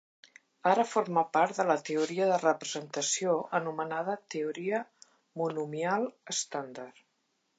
Ara forma part de la teoria de representació anomenada "teoria monomial estàndard".